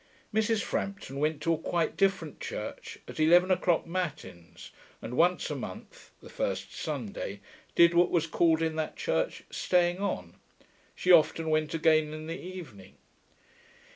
Mrs. Frampton went to a quite different church, to 11 o'clock matins, and once a month (the first Sunday) did what was called in that church 'staying on.' She often went again in the evening.